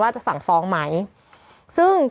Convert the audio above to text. คุณธรรมนัฐลงไปแบบว่าดูการ